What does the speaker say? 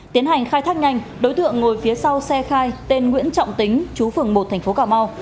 tiến hành khai thác nhanh đối tượng ngồi phía sau xe khai tên nguyễn trọng tính chú phường một thành phố cà mau